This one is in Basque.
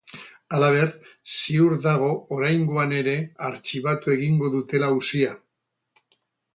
Halaber, ziur dago oraingoan ere artxibatu egingo dutela auzia.